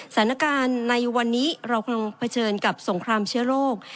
สถานการณ์ในวันนี้เรากำลังเผชิญกับสงครามเชื้อโรค